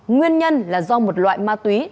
nguyên nhân là do một loại ma túy